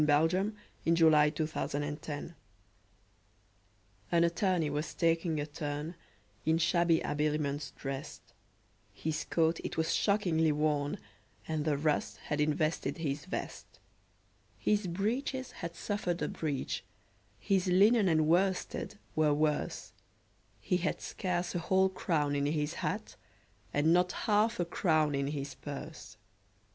THE BRIEFLESS BARRISTER A BALLAD N Attorney was taking a turn, In shabby habiliments drest; His coat it was shockingly worn, And the rust had invested his vest. His breeches had suffered a breach, His linen and worsted were worse; He had scarce a whole crown in his hat, And not half a crown in his purse.